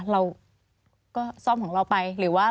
เราก็ซ่อมของเราไปหรือว่า